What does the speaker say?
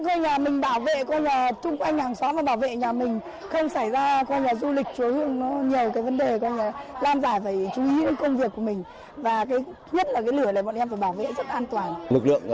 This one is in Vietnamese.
cái lửa này bọn em phải bảo vệ rất an toàn